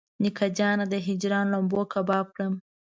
نیکه جانه د هجران لمبو کباب کړم.